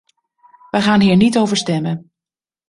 We gaan hier niet over stemmen.